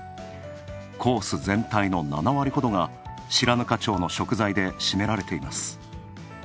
コース全体の７割ほどが白糠町の食材で占められています。